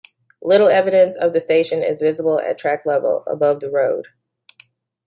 Little evidence of the station is visible at track level, above the road.